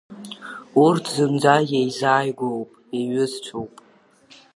Урҭ зынӡа еизааигәоуп, еиҩызцәоуп.